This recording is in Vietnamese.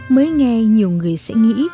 mới nghe nhiều người sẽ nghĩ